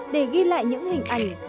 để ghi lại những hình ảnh